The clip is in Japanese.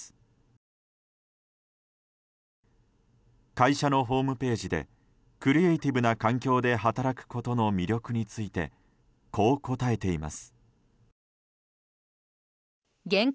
会社のホームページでクリエーティブな環境で働くことの魅力についてこう答えています。